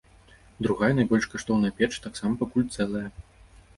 Другая, найбольш каштоўная печ, таксама пакуль цэлая.